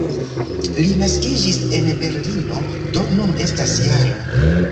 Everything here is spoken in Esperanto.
Li naskiĝis en Berlino, do nun estas -jara.